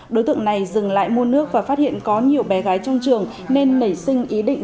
đối tượng này dừng lại mua nước và phát hiện có nhiều bé gái trong trường nên nảy sinh ý định